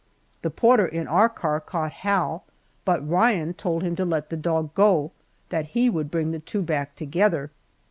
The porter in our car caught Hal, but Ryan told him to let the dog go, that he would bring the two back together.